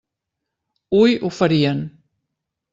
Hui ho farien.